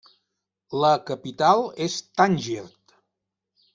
La capital és Tànger.